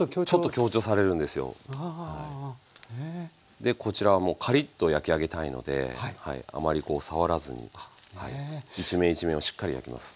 でこちらはもうカリッと焼き上げたいのであまりこう触らずに一面一面をしっかり焼きます。